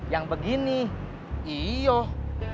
yang begini iyoh